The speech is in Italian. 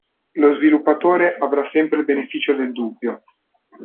Lo sviluppatore avrà sempre il beneficio del dubbio.